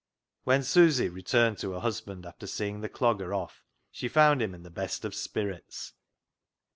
When Susy returned to her husband after seeing the Clogger off, she found him in the best of spirits.